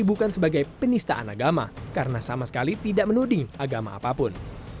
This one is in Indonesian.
bukan sebagai penistaan agama karena sama sekali tidak menuding agama apapun